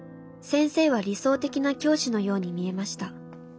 「先生は理想的な教師のように見えました。